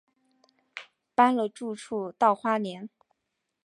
搬了住处到花莲